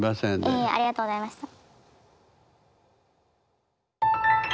いえいえありがとうございました。